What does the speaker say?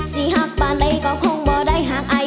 แค่อายแน่มมากก็อเนี๊ยแล